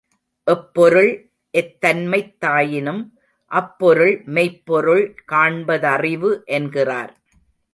எப்பொருள் எத்தன்மைத் தாயினும் அப்பொருள் மெய்ப்பொருள் காண்பதறிவு என்கிறார்.